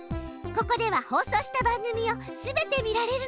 ここでは放送した番組を全て見られるの。